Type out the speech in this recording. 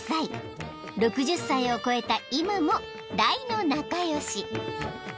［６０歳を超えた今も大の仲良し］